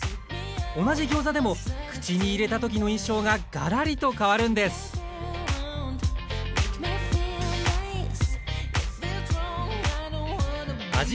同じギョーザでも口に入れた時の印象がガラリと変わるんです味